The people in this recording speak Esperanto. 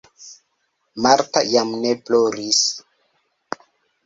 Marta jam ne ploris.